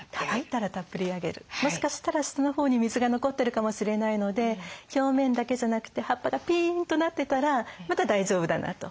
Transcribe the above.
もしかしたら下の方に水が残ってるかもしれないので表面だけじゃなくて葉っぱがピーンとなってたらまだ大丈夫だなと。